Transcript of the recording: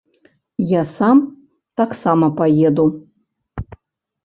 Я сам таксама паеду.